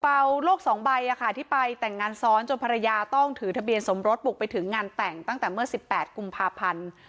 โลก๒ใบที่ไปแต่งงานซ้อนจนภรรยาต้องถือทะเบียนสมรสบุกไปถึงงานแต่งตั้งแต่เมื่อ๑๘กุมภาพันธ์